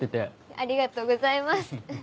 ありがとうございます。